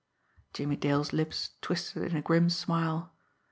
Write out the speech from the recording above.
Jimmie Dale's lips twisted in a grim smile.